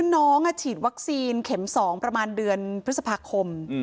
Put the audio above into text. น้องฉีดวัคซีนเข็ม๒ประมาณเดือนพฤษภาคม